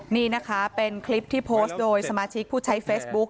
นี่นะคะเป็นคลิปที่โพสต์โดยสมาชิกผู้ใช้เฟซบุ๊ค